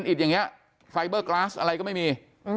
อิดอย่างนี้ไฟเบอร์กราสอะไรก็ไม่มี